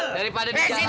daripada di jalanan